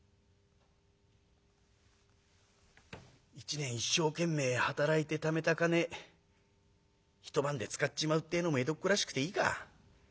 「一年一生懸命働いてためた金一晩で使っちまうってえのも江戸っ子らしくていいか。なあ。